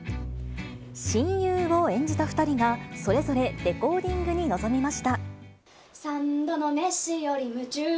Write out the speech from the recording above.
親友を演じた２人がそれぞれレコーディングに臨みました。